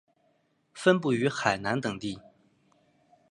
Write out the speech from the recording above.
分布于海南等地。